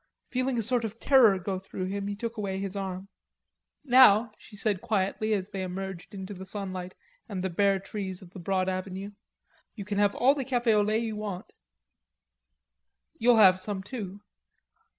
Feeling a sort of terror go through him he took away his arm. "Now," she said quietly as they emerged into the sunlight and the bare trees of the broad avenue, "you can have all the cafe au lait you want." "You'll have some too."